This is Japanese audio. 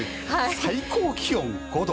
最高気温５度。